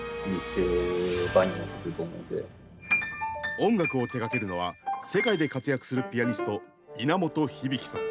音楽を手がけるのは世界で活躍するピアニスト稲本響さん。